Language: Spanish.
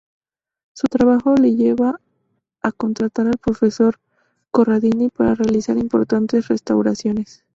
Su trabajo le lleva a contratar al profesor Corradini para realizar importantes restauraciones.